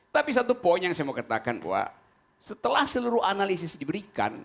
tapi satu poin yang saya mau katakan bahwa setelah seluruh analisis diberikan